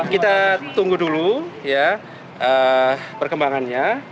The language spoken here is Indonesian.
kita tunggu dulu ya perkembangannya